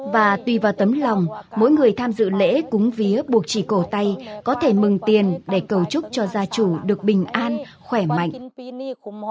và tùy vào tấm lòng mỗi người tham dự lễ cúng vía buộc chỉ cổ tay có thể mừng tiền để cầu chúc cho gia chủ được bình an khỏe mạnh